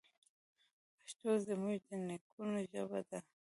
پښتو زموږ د نیکونو ژبه ده.